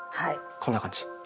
こんな感じ。